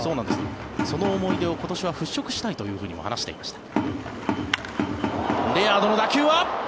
その思い出を今年は払しょくしたいとも話していました。